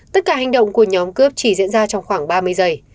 tất cả hành động của nhóm cướp chỉ diễn ra trong khoảng ba mươi giây